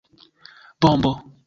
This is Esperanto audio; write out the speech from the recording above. Bombo!